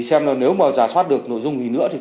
họp thứ năm tới đây